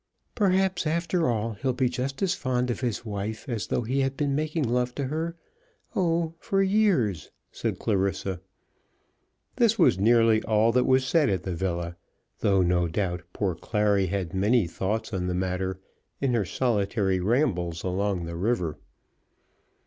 "Perhaps, after all, he'll be just as fond of his wife, in a way, as though he had been making love to her, oh, for years," said Clarissa. This was nearly all that was said at the villa, though, no doubt, poor Clary had many thoughts on the matter, in her solitary rambles along the river.